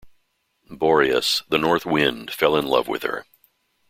Boreas, the north wind, fell in love with her.